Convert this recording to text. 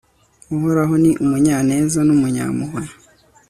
uhoraho ni umunyaneza n'umunyampuhwe